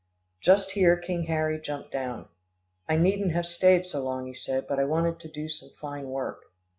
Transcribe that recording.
Just here King Harry jumped down. "I needn't have stayed so long," he said, "but I wanted to do some fine work."